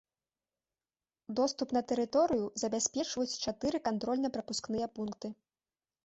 Доступ на тэрыторыю забяспечваюць чатыры кантрольна-прапускныя пункты.